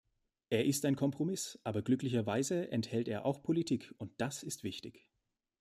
Er ist ein Kompromiss, aber glücklicherweise enthält er auch Politik, und das ist wichtig.